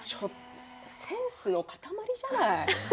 センスの塊じゃない。